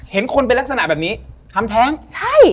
เห็นคนเป็นลักษณะแบบนี้ทำแท้งใช่